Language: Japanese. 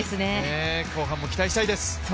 後半も期待したいです。